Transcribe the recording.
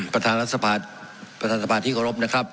ประธานรัฐสภาษณ์ประธานสภาษณ์ที่ขอรบนะครับ